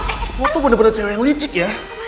kau tuh bener bener cewek yang licik ya